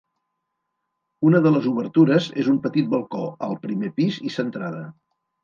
Una de les obertures és un petit balcó, al primer pis i centrada.